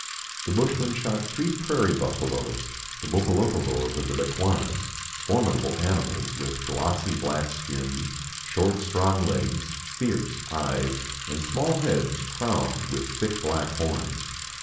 The bushman shot three prairie bufialoes, the Bokolokolos of the Bechuanas, formidable animals, with glossy black skins, short strong legs, fierce eyes, and small heads crowned with thick black horns.